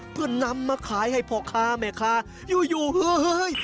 เพื่อนำมาขายให้พ่อค้าแม่ค้าอยู่เฮ้ย